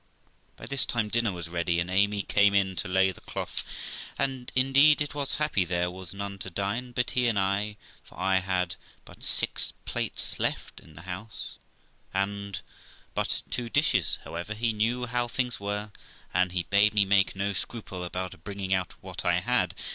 By this time dinner was ready, and Amy came in to lay the cloth, and indeed it was happy there was none to dine but he and I, for I had but six plates left in the house, and but two dishes; however, he knew how things were, and bade me make no scruple about bringing out what I had.